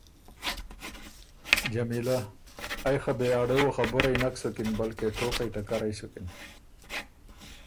جمیلۀ: ائ خه بې اړووه خبُرئ نک سُکِن بلکې ټوقئ ټکرئ سُکِن۔